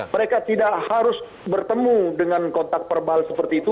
mereka tidak harus bertemu dengan kontak verbal seperti itu